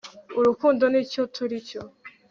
urukundo nicyo turicyo